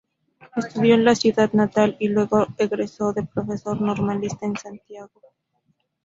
Estudió en su ciudad natal y luego egresó de profesor normalista en Santiago.